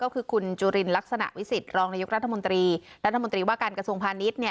คือคุณจุฬิลลักษณะวิสิทธิ์รองนายุครัฐมนตรีรัฐมนตรีว่าการกระทรวงพาณิชย์